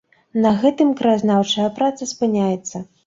На гэтым краязнаўчая праца спыняецца.